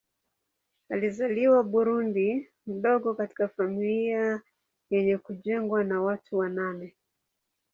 Alizaliwa Burundi mdogo katika familia yenye kujengwa na watu wa nane.